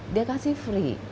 dia kasih free